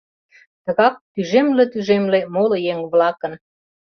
тыгак тӱжемле-тӱжемле моло еҥ-влакын